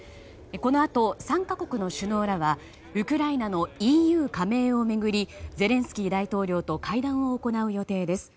このあと３か国の首脳らはウクライナのＥＵ加盟を巡りゼレンスキー大統領と会談を行う予定です。